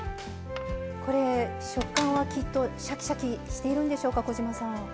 これ食感はきっとシャキシャキしているんでしょうか小島さん。